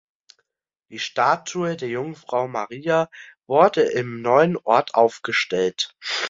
Die Statue der Jungfrau Maria wurde im neuen Ort aufgestellt.